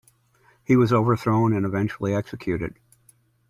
He was overthrown and eventually executed.